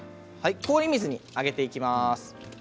氷水に上げていきます。